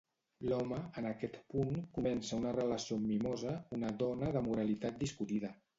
L'home, en aquest punt, comença una relació amb Mimosa, una dona de moralitat discutida.